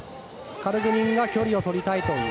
カルグニンが距離を取りたいという。